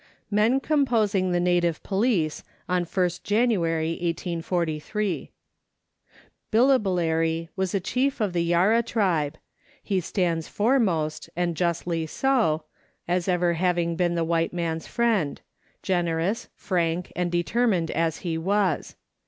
5 MEN COMPOSING THE NATIVE POLICE ON 1ST JANUARY 1843. Billbolary 6 (Bil li bel la ry) was chief of the Yarra 7 tribe ; he stands foremost, and justly so, as ever having been the white man's friend generous, frank, and determined as he was.